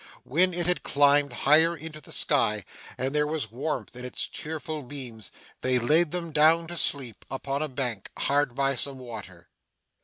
When it had climbed higher into the sky, and there was warmth in its cheerful beams, they laid them down to sleep, upon a bank, hard by some water.